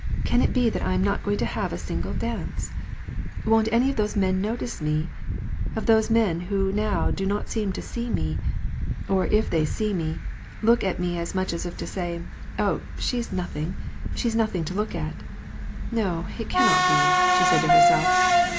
Can it be that I am not going to have a single dance ? Won't any of those men notice me ?— of those men who now do not seem to see me ; or, if they see me, look at me as much as to say ' Oh, she's nothing, — she's nothing to look at !' No, it cannot be !" said she to herself.